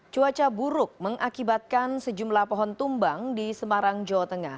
cuaca buruk mengakibatkan sejumlah pohon tumbang di semarang jawa tengah